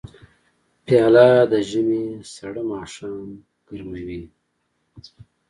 پیاله د ژمي سړه ماښام ګرموي.